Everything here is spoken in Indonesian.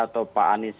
atau pak anies